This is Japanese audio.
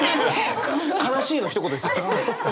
「悲しい」のひと言ですよ。